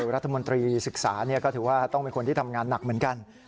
รัฐมนตรีศึกษาก็ถือว่าต้องเป็นคนที่ทำงานหนักเหมือนกัน